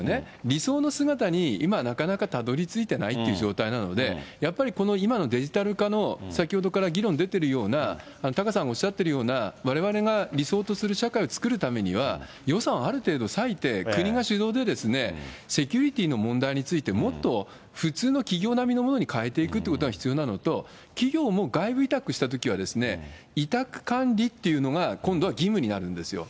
理想の姿に、今なかなかたどりついてないっていう状態なので、やっぱりこの今のデジタル化の、先ほどから議論出てるような、タカさんおっしゃってるような、われわれが理想とする社会を作るためには、予算はある程度割いて、国が主導でセキュリティーの問題について、もっと普通の企業並みのものに変えていくということが必要なのと、企業も外部委託したときは、委託管理っていうのが今度は義務になるんですよ。